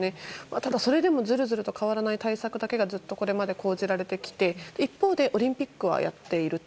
ただ、それでもずるずると変わらない対策だけがずっとこれまで講じられてきて一方でオリンピックはやっていると。